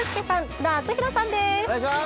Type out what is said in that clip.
津田篤宏さんです